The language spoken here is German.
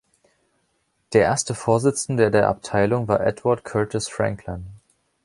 Der erste Vorsitzende der Abteilung war Edward Curtis Franklin.